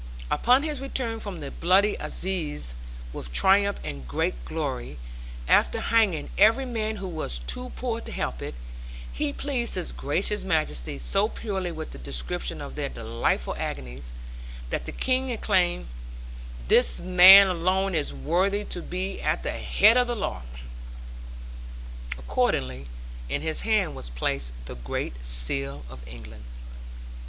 Upon his return from the bloody assizes, with triumph and great glory, after hanging every man who was too poor to help it, he pleased his Gracious Majesty so purely with the description of their delightful agonies, that the King exclaimed, 'This man alone is worthy to be at the head of the law.' Accordingly in his hand was placed the Great Seal of England.